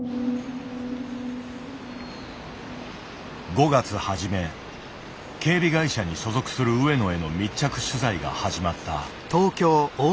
５月初め警備会社に所属する上野への密着取材が始まった。